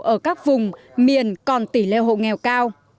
ở các vùng miền còn tỉ lêu hộ nghèo cao